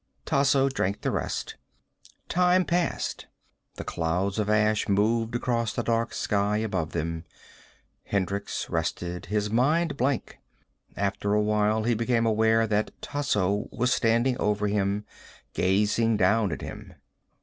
Tasso drank the rest. Time passed. The clouds of ash moved across the dark sky above them. Hendricks rested, his mind blank. After awhile he became aware that Tasso was standing over him, gazing down at him.